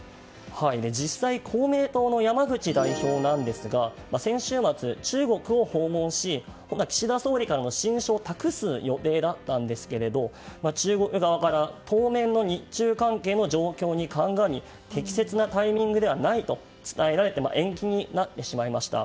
実際、公明党の山口代表ですが先週末、中国を訪問し岸田総理からの親書を託す予定だったんですが中国側から当面の日中関係の状況に鑑み適切なタイミングではないと伝えられ延期になってしまいました。